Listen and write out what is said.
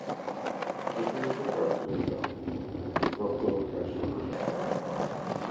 От і він шукав цього заробітку, шукав того кращого життя.